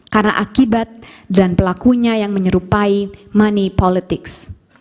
karena akibat dan pelakunya yang menyerupai money politics